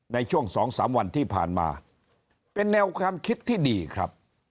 ในช่วง๒๓วันที่ผ่านมาเป็นแนวความคิดที่ดีครับ